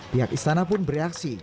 pihak istana pun bereaksi